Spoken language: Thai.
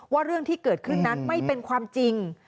ว่าเรื่องที่เกิดขึ้นนั้นไม่เป็นความจริง